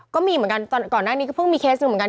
ก็มีเหมือนกันก่อนหน้านี้ก็เพิ่งมีเคสหนึ่งเหมือนกัน